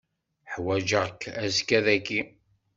Ḥwaǧeɣ-k azekka dagi.